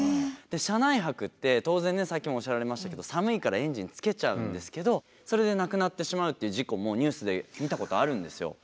車内泊って当然ねさっきもおっしゃられましたけど寒いからエンジンつけちゃうんですけどそれで亡くなってしまうっていう事故もニュースで見たことあるんですよ。